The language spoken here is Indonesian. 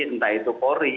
entah itu polri